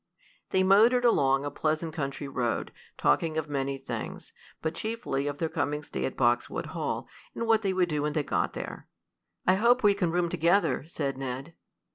They motored along a pleasant country road, talking of many things, but chiefly of their coming stay at Boxwood Hall, and what they would do when they got there. "I hope we can room together," said Ned.